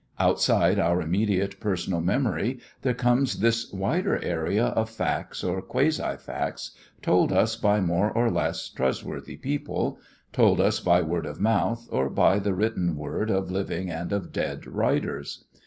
Outside our immediate personal memory there comes this wider area of facts or quasi facts told us by more or less trustworthy people, told us by word of mouth or by the written word of living and of dead writers.